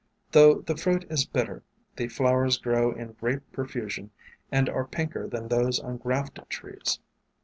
Though the fruit is bitter, the flowers grow in great profusion, and are pinker than those on grafted trees.